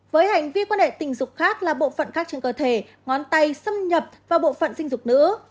với hành vi quan hệ tình dục khác là bộ phận khác trên cơ thể ngón tay xâm nhập vào bộ phận sinh dục nữa